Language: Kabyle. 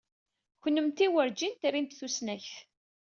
Kennemti werǧin trimt tusnakt.